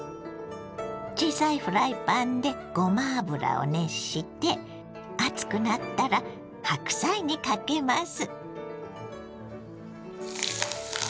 小さいフライパンでごま油を熱して熱くなったら白菜にかけます。